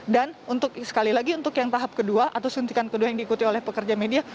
dan untuk sekali lagi untuk yang tahap kedua atau sentikan kedua yang diikuti oleh pekerja media